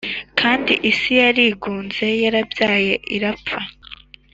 kandi isi yigunze yarabyaye irapfa.